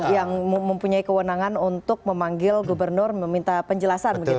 yang mempunyai kewenangan untuk memanggil gubernur meminta penjelasan begitu